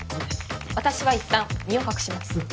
私はいったん身を隠します。